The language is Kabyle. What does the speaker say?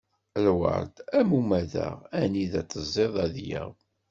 Lweṛd am umadaɣ, anida t-teẓẓiḍ ad yaɣ.